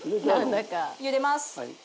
茹でます。